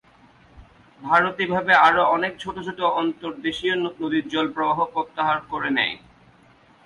ভারত এভাবে আরও অনেক ছোট ছোট আন্তর্দেশীয় নদীর জল প্রবাহ প্রত্যাহার করে নেয়।